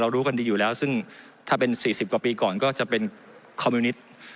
รู้กันดีอยู่แล้วซึ่งถ้าเป็น๔๐กว่าปีก่อนก็จะเป็นคอมมิวนิต